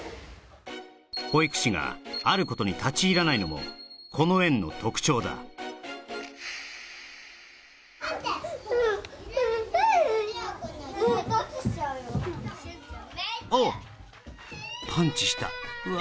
保育士があることに立ち入らないのもこの園の特徴だおっパンチしたうわ